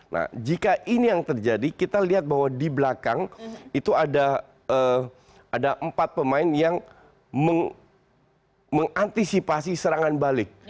nah jika ini yang terjadi kita lihat bahwa di belakang itu ada empat pemain yang mengantisipasi serangan balik